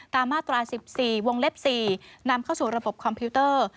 มาตรา๑๔วงเล็บ๔นำเข้าสู่ระบบคอมพิวเตอร์